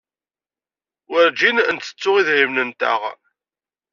Werjin nttettu idrimen-nteɣ.